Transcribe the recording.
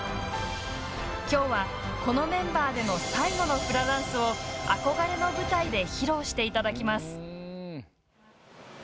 今日はこのメンバーでの最後のフラダンスを憧れの舞台で披露していただきます。